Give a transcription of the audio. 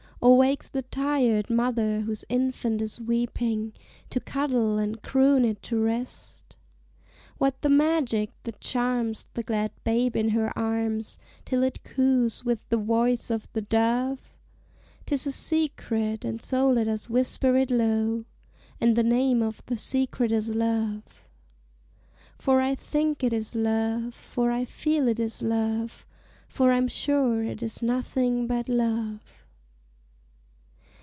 Or wakes the tired mother, whose infant is weeping, To cuddle and croon it to rest? What the magic that charms the glad babe in her arms, Till it cooes with the voice of the dove? 'Tis a secret, and so let us whisper it low And the name of the secret is Love! For I think it is Love, For I feel it is Love, For I'm sure it is nothing but Love!